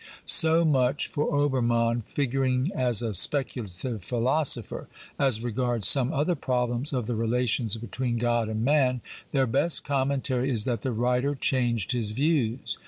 So much for Obermann figuring as a speculative xxxvlll BIOGRAPHICAL AND philosopher. As regards some other problems of the relations between God and man, their best commentary is that the writer changed his views.